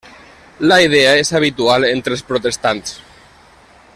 La idea és habitual entre els protestants.